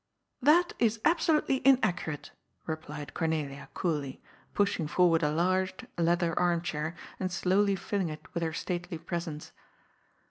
" That is absolutely inaccurate," replied Cornelia coolly, pushing forward a large leather armchair and slowly filling it with her stately presence.